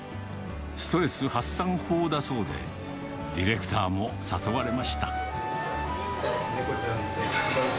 ストレス発散法だそうで、ディレクターも誘われました。